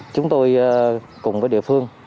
chúng tôi cùng với địa phương